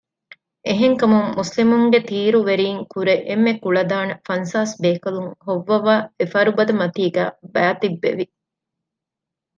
އެހެންކަމުން މުސްލިމުންގެ ތީރުވެރީންކުރެ އެންމެ ކުޅަދާނަ ފަންސާސް ބޭކަލުން ހޮއްވަވައި އެފަރުބަދަމަތީގައި ބައިތިއްބެވި